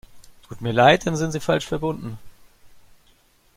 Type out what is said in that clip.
Tut mir leid, dann sind Sie falsch verbunden.